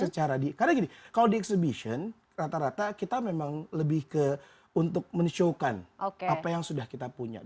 karena gini kalau di exhibition rata rata kita memang lebih ke untuk men showkan apa yang sudah kita punya